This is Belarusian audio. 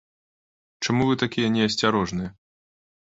Чаму вы такія неасцярожныя?